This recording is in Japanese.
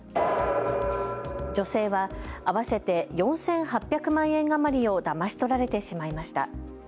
女性は合わせて４８００万円余りをだまし取られてしまいました。